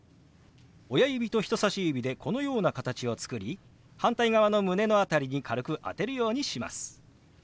親指と人さし指でこのような形を作り反対側の胸の辺りに軽く当てるようにします。